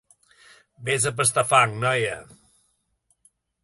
Vés a pastar fang, noia!